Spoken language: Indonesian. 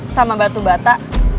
sama batu bata